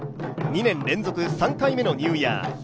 ２年連続３回目のニューイヤー。